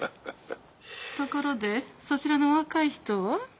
ところでそちらの若い人は？